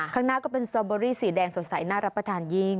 ข้างหน้าก็เป็นสตรอเบอรี่สีแดงสดใสน่ารับประทานยิ่ง